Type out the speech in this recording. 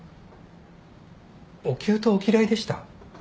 おきゅうとお嫌いでした？